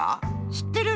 しってる。